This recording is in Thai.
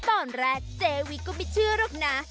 ตอนแรกเจวิก็ไม่เชื่อหรอกนะ